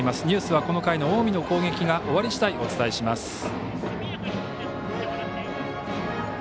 ニュースはこの回の近江の攻撃が終わりしだいお伝えします。